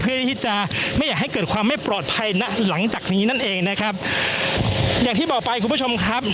เพื่อที่จะไม่อยากให้เกิดความไม่ปลอดภัยหลังจากนี้นั่นเองนะครับอย่างที่บอกไปคุณผู้ชมครับ